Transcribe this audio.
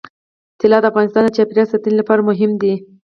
طلا د افغانستان د چاپیریال ساتنې لپاره مهم دي.